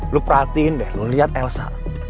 lu perhatiin deh lo lihat elsa